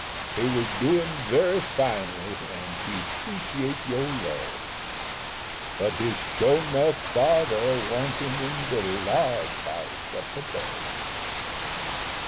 He was doin' very finely, an' he 'preciate your love; But his sure 'nuff Father want him in de large house up above.